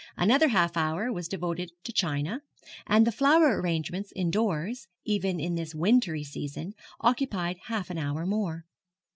Another half hour was devoted to china; and the floral arrangements indoors, even in this wintry season, occupied half an hour more.